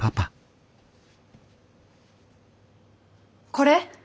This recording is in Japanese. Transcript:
これ？